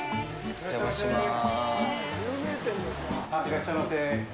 お邪魔します。